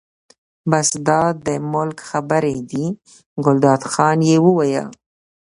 بس دا د ملک خبرې دي، ګلداد خان یې وویل.